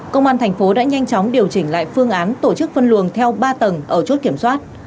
công an thành phố đã nhanh chóng điều chỉnh lại phương án tổ chức phân luồng theo ba tầng ở chốt kiểm soát